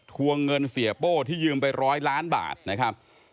วงเงินเสียโป้ที่ยืมไปร้อยล้านบาทนะครับ